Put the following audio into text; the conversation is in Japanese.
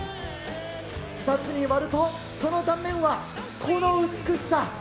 ２つに割ると、その断面はこの美しさ。